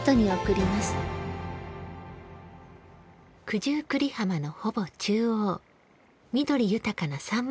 九十九里浜のほぼ中央緑豊かな山武市です。